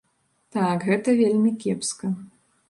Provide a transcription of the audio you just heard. Так, гэта вельмі кепска.